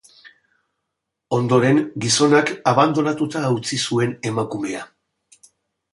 Ondoren, gizonak abandonatuta utzi zuen emakumea.